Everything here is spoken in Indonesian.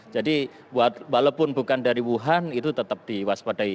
jadi walaupun bukan dari wuhan itu tetap diwaspadai